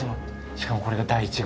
しかもこれが第１号。